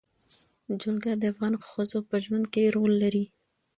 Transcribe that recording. جلګه د افغان ښځو په ژوند کې رول لري.